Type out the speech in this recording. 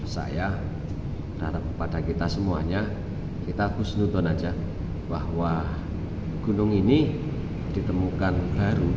saya harap kepada kita semuanya kita harus nonton saja bahwa gunung ini ditemukan baru